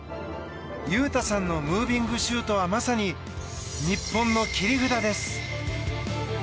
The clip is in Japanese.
雄太さんのムービングシュートはまさに、日本の切り札です。